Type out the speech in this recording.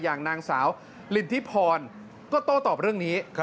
อย่างนางสาวลินทิพรก็โต้ตอบเรื่องนี้